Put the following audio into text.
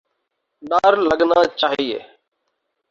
ڈر لگنا چاہیے۔